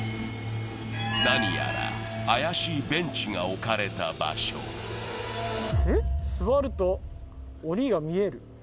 何やら怪しいベンチが置かれた場所えっ「座ると鬼が見える？」